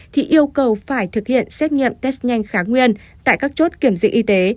thì yêu cầu phải thực hiện xét nghiệm test nhanh kháng nguyên tại các chốt kiểm dịch y tế